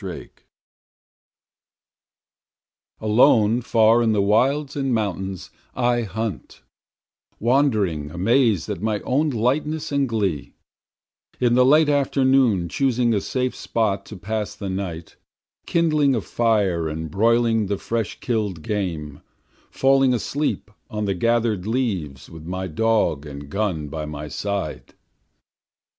10 Alone far in the wilds and mountains I hunt, Wandering amazed at my own lightness and glee, In the late afternoon choosing a safe spot to pass the night, Kindling a fire and broiling the fresh kill'd game, Falling asleep on the gather'd leaves with my dog and gun by my side.